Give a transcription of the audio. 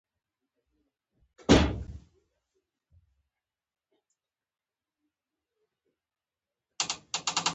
ملي جرګه خان رعیت نظام په بشپړه توګه ملغا اعلانوي.